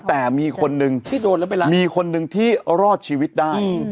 แต่มีคนนึงที่โดนแล้วไปรับมีคนนึงที่รอดชีวิตได้อืม